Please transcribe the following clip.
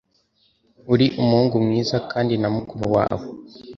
uri umuhungu mwiza, kandi na mukuru wawe